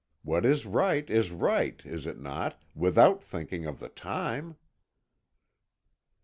What is right, is right, is it not, without thinking of the time?